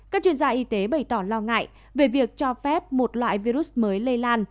các chuyên gia y tế bày tỏ lo ngại về việc cho phép một loại virus mới lây lan